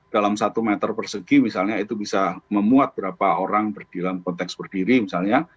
dalam satu meter persegi misalnya itu bisa memuat berapa orang berdiri dalam konteks berdiri misalnya